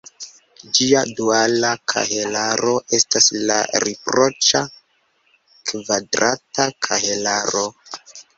Ĝia duala kahelaro estas la riproĉa kvadrata kahelaro.